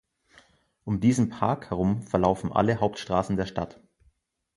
Um diesen Park herum verlaufen alle Hauptstraßen der Stadt.